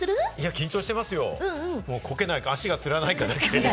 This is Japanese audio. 緊張してますよ、こけないか、足がつらないかだけ。